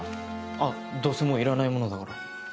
あっどうせもういらないものだから。